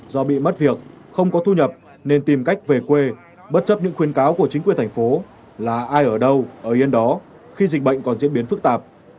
do bị mất việc không có thu nhập nên tìm cách về quê bất chấp những khuyến cáo của chính quyền thành phố là ai ở đâu ở yên đó khi dịch bệnh còn diễn biến phức tạp